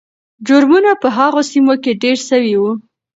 جرمونه په هغو سیمو کې ډېر سوي وو.